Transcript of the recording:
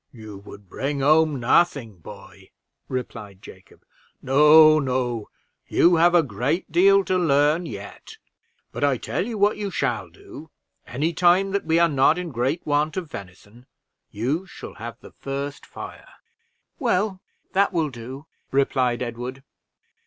"You would bring home nothing, boy," replied Jacob. "No, no, you have a great deal to learn yet; but I tell you what you shall do: any time that we are not in great want of venison, you shall have the first fire." "Well, that will do," replied Edward.